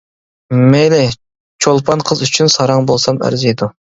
مەيلى، چوپان قىز ئۈچۈن ساراڭ بولسام ئەرزىيدۇ.